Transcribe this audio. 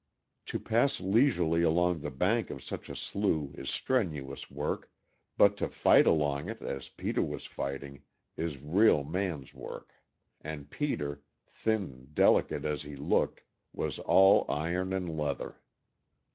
To pass leisurely along the bank of such a slough is strenuous work, but to fight along it as Peter was fighting, is real man's work, and Peter thin, delicate as he looked was all iron and leather.